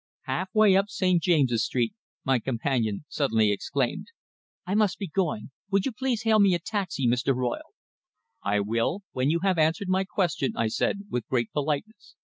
Half way up St. James's Street my companion suddenly exclaimed: "I must be going! Would you please hail me a taxi, Mr. Royle?" "I will when you have answered my question," I said, with great politeness.